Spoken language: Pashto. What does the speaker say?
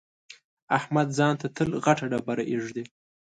احمد ځان ته تل غټه ډبره اېږدي.